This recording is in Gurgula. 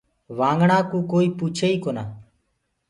وآگنآ ڪوُ ڪوئيٚ پوڇي ئيٚ ڪونآ۔